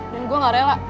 dan gua gak rela